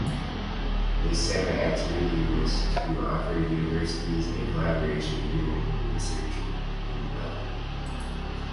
A separate activity was to offer universities a collaboration agreement for research and development.